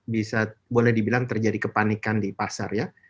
bisa boleh dibilang terjadi kepanikan di pasar ya